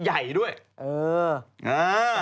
อา